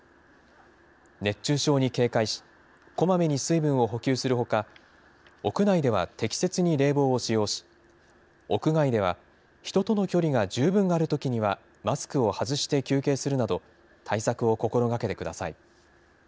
熱中症に警戒し、こまめに水分を補給するほか、屋内では適切に冷房を使用し、屋外では、人との距離が十分あるときには、マスクを外して休憩するなど、対策を心がけてください。